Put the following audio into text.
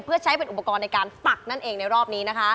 เพื่อใช้เป็นอุปกรณ์ในการปักนั่นเองในรอบนี้นะคะ